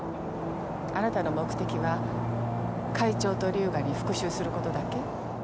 あなたの目的は会長と龍河に復讐する事だけ？